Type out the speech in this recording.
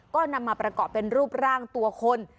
ก็นำมาประกอบเป็นรูปร่างตัวคน